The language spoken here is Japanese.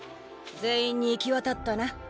全員に行き渡ったな？